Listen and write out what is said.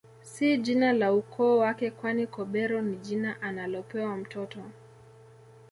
Si jina la ukoo wake kwani Kobero ni jina analopewa mtoto